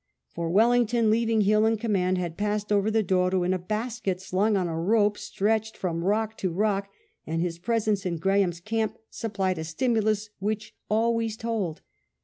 For Wellington, leaving Hill in command, had passed over the Douro in a basket slung on a rope stretched from rock to rock, and his presence in Graham's camp supplied a stimulus which always told.